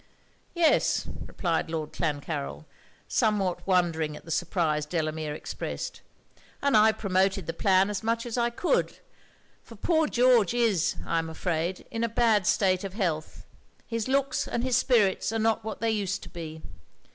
'Yes,' replied Lord Clancarryl, somewhat wondering at the surprise Delamere expressed 'and I promoted the plan as much as I could; for poor George is, I am afraid, in a bad state of health; his looks and his spirits are not what they used to be.